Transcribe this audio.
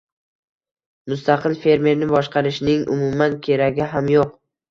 mustaqil fermerni boshqarishning umuman keragi ham yo‘q.